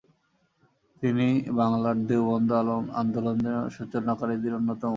তিনি বাংলায় দেওবন্দ আন্দোলনের সূচনাকারীদের অন্যতম।